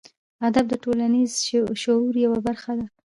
ادب د ټولنیز شعور یوه برخه ده.